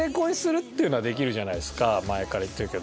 前から言ってるけど。